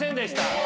え！？